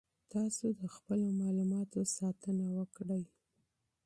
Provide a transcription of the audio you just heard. تاسو د خپلو معلوماتو ساتنه وکړئ.